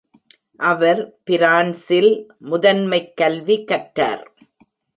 அவர் பிரான்சில் முதன்மைக் கல்வி கற்றார்.